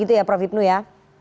itu ya prof hipnu ya